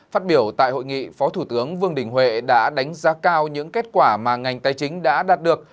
phát biểu tại hội nghị phó thủ tướng vương đình huệ đã đánh giá cao những kết quả mà ngành tài chính đã đạt được